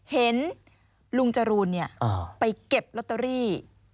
เห็นลุงจรูนไปเก็บลอตเตอรี่